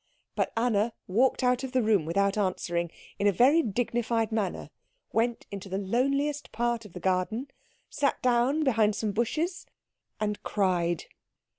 But Anna walked out of the room without answering, in a very dignified manner; went into the loneliest part of the garden; sat down behind some bushes; and cried.